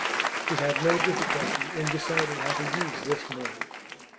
He had no difficulty in deciding how to use this money.